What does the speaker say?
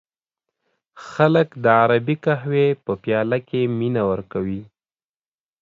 خلک د عربی قهوې په پیاله کې مینه ورکوي.